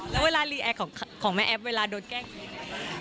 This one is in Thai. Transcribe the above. แล้วเวลาแกล้งของแม่แอฟเวลาโดดแกล้งกันอย่างไร